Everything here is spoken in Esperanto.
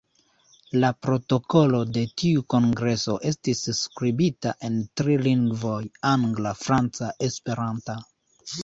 La protokolo de tiu kongreso estis skribita en tri lingvoj: angla, franca, esperanta.